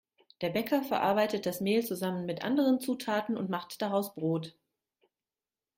Der Bäcker verarbeitet das Mehl zusammen mit anderen Zutaten und macht daraus Brot.